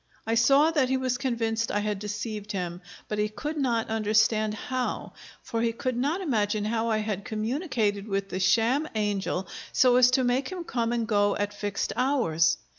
I saw that he was convinced I had deceived him, but he could not understand how; for he could not imagine how I had communicated with the sham angel so as to make him come and go at fixed hours.